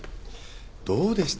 どうでした？